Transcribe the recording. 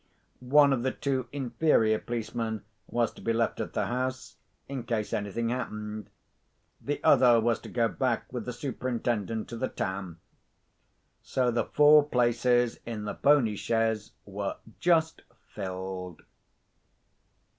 One of the two inferior policemen was to be left at the house, in case anything happened. The other was to go back with the Superintendent to the town. So the four places in the pony chaise were just filled.